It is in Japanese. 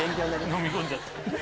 のみ込んじゃった。